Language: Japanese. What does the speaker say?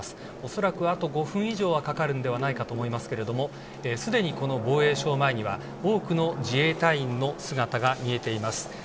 恐らく、あと５分以上はかかるのではないかとみられますがすでにこの防衛省前には多くの自衛隊員の姿が見えています。